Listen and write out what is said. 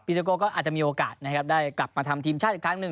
โซโก้ก็อาจจะมีโอกาสนะครับได้กลับมาทำทีมชาติอีกครั้งหนึ่ง